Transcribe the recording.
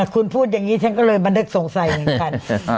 คุณพูดอย่างนี้ฉันก็เลยบันทึกสงสัยเหมือนกัน